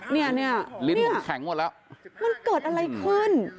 นี่มันเกิดอะไรขึ้น